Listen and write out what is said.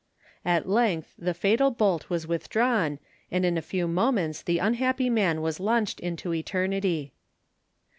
At length the fatal bolt was withdrawn, and in a few moments the unhappy man was launched into eternity.